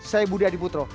saya budi adiputro